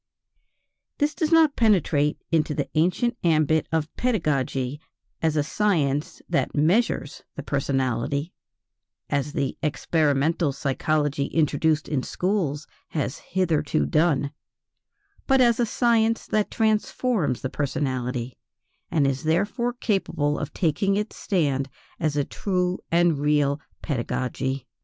This does not penetrate into the ancient ambit of pedagogy as a science that measures the personality, as the experimental psychology introduced in schools has hitherto done, but as a science that transforms the personality, and is therefore capable of taking its stand as a true and real pedagogy.